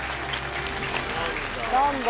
何だ。